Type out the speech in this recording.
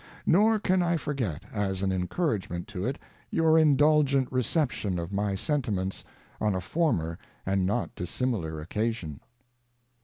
ŌĆö Nor can I forget, as an encouragement to it your indulgent reception of my sentiments on a former and not dis similar occasion.